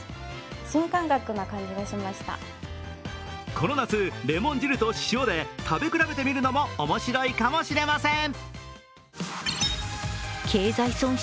この夏、レモン汁と塩で食べ比べてみるのも面白いかもしれません。